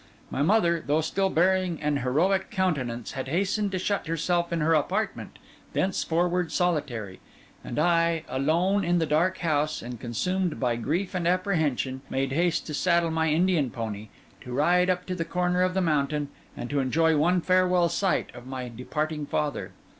My mother, though still bearing an heroic countenance, had hastened to shut herself in her apartment, thenceforward solitary; and I, alone in the dark house, and consumed by grief and apprehension, made haste to saddle my Indian pony, to ride up to the corner of the mountain, and to enjoy one farewell sight of my departing father.